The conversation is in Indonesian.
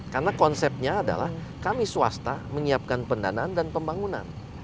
karena konsepnya adalah kami swasta menyiapkan pendanaan dan pembangunan